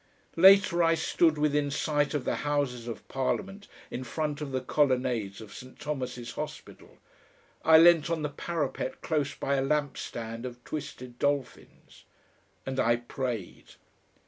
Later I stood within sight of the Houses of Parliament in front of the colonnades of St Thomas's Hospital. I leant on the parapet close by a lamp stand of twisted dolphins and I prayed!